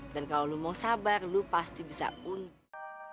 dan kalau lu mau sabar lu pasti bisa untung